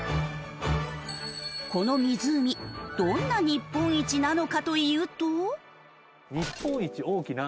どんな日本一なのかというと。